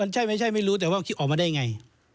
ใช่ไม่ใช่ไม่รู้แต่ว่าคิดออกมาได้ไง